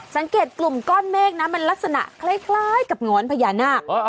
สังเกตกลุ่มก้อนเมฆนะมันลักษณะคล้ายกับหงอนพญานาค